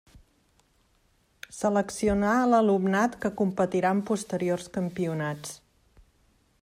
Seleccionar l'alumnat que competirà en posteriors campionats.